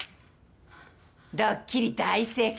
ドッキリ大成功。